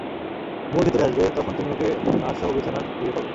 মুর ভেতরে আসবে, তখন তুমি ওকে ওর নার্স সহ বিছানার খুঁজে পাবে।